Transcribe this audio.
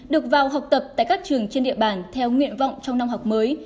được vào học tập tại các trường trên địa bàn theo nguyện vọng trong năm học mới